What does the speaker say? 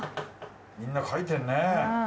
みんな書いてるね。